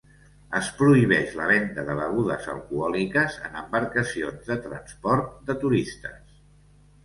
Es prohibeix la venda de begudes alcohòliques en embarcacions de transport de turistes.